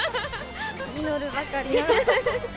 祈るばかり。